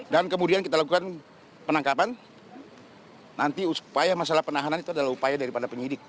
dan kemudian kita lakukan penangkapan nanti upaya masalah penahanan itu adalah upaya daripada penyidik